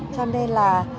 cho nên là